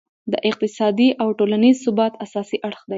د اقتصادي او ټولینز ثبات اساسي اړخ دی.